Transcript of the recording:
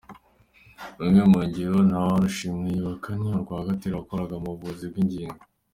Rumwe mu ngero Ntawurushimana yibuka ni urwa Gatera wakoraga mu buvuzi bw’ingingo.